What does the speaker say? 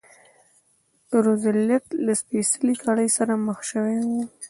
روزولټ له سپېڅلې کړۍ سره مخ شوی و.